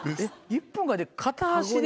１分間で片足で？